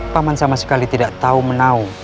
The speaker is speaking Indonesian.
paman sama sekali tidak tahu menau